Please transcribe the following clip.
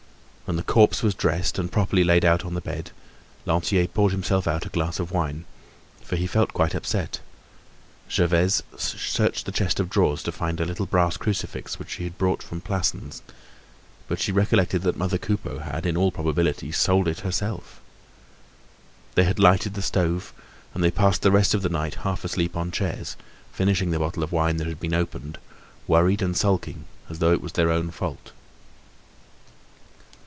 When the corpse was dressed and properly laid out on the bed, Lantier poured himself out a glass of wine, for he felt quite upset. Gervaise searched the chest of drawers to find a little brass crucifix which she had brought from Plassans, but she recollected that mother Coupeau had, in all probability, sold it herself. They had lighted the stove, and they passed the rest of the night half asleep on chairs, finishing the bottle of wine that had been opened, worried and sulking, as though it was their own fault.